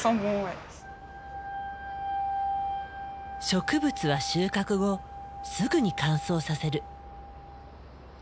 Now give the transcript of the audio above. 植物は収穫後すぐに乾燥させる。